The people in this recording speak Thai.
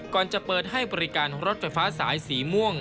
ก่อนจะเปิดให้บริการรถไฟฟ้าสายสีม่วง